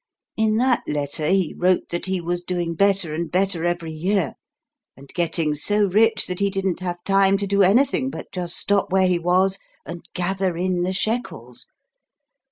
In that letter he wrote that he was doing better and better every year, and getting so rich that he didn't have time to do anything but just stop where he was and 'gather in the shekels.'